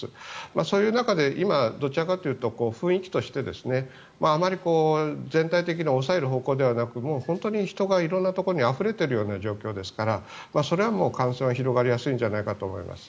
そういう中で今どちらかというと雰囲気としてあまり全体的に抑える方向ではなく本当に人が色んなところにあふれている状況ですからそれは感染は広がりやすいんじゃないかと思います。